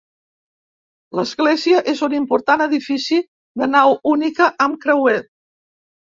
L'església és un imposant edifici de nau única, amb creuer.